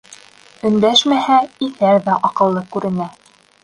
Өндәшмәһә, иҫәр ҙә аҡыллы күренә.